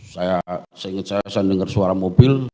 saya seinget saya saya dengar suara mobil